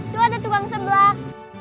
tuh ada tukang sebelak